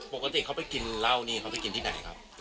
ปกติเขาไปกินเหล้านี่เขาไปกินที่ไหนครับ